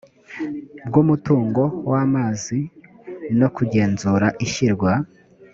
bw umutungo w amazi no kugenzura ishyirwa